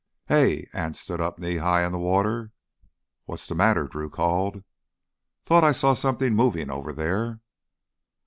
"Hey!" Anse stood up knee high in the water. "What's the matter?" Drew called. "Thought I saw somethin' movin' over there!"